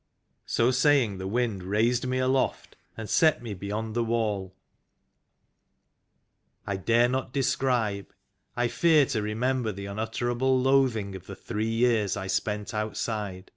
So saying, the Wind raised me aloft and set me beyond the wall. 26 THE LAST GENERATION I dare not describe I fear to remember the un utterable loathing of the three years I spent outside.